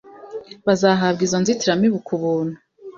bazahabwa izo nzitiramibu ku buntu